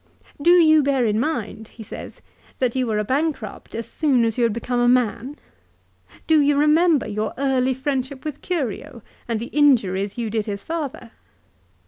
"Do you bear in mind," he says, " that you were a bankrupt as soon as you had become a man ?"" Do you remember your early friendship with Curio, and the injuries you did his father